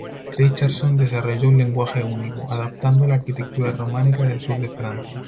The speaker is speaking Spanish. Richardson desarrolló un lenguaje único, adaptando la arquitectura románica del sur de Francia.